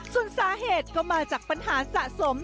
ส่วนสาเหตุก็มาจากปัญหาสะสม